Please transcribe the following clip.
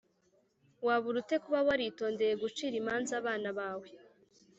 wabura ute kuba waritondeye gucira imanza abana bawe,